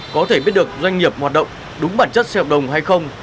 có thể biết được doanh nghiệp hoạt động đúng bản chất xe hợp đồng hay không